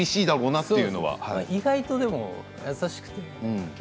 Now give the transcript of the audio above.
意外と優しくて。